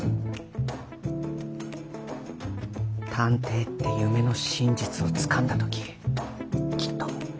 探偵って夢の真実をつかんだ時きっと。